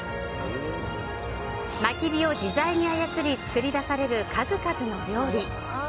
薪火を自在に操り作り出される数々の料理。